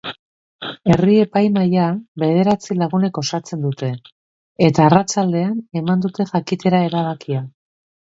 Herri-epaimahaia bederatzi lagunek osatzen dute, eta arratsaldean eman dute jakitera erabakia.